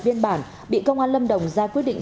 biên bản bị công an lâm đồng ra quyết định